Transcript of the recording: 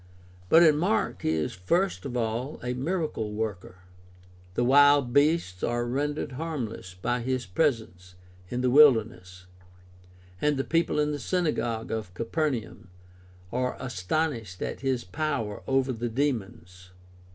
But in Mark he is first of all the miracle worker. The wild beasts are rendered harmless by his pres ence in the wilderness, and the people in the synagogue of Capernaum are astonished at his power over the demons.